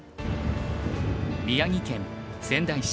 宮城県仙台市。